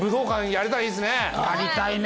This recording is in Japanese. やりたいね！